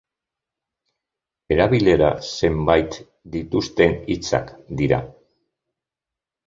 Erabilera zenbait dituzten hitzak dira.